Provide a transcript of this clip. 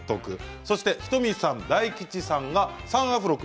仁美さんと大吉さんが３アフロ君。